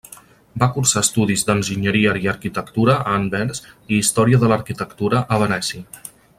Va cursar estudis d'Enginyeria i Arquitectura a Anvers i Història de l'Arquitectura a Venècia.